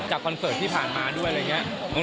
คอนเสิร์ตที่ผ่านมาด้วยอะไรอย่างนี้